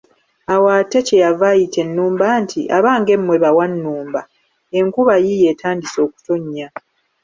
Awo ate kye yava ayita ennumba nti, abange mmwe bawannumba, enkuba yiiyo etandise okutonnya.